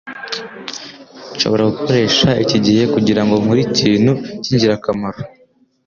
Nshobora gukoresha iki gihe kugirango nkore ikintu cyingirakamaro.